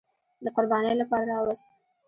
د قربانۍ لپاره راوست.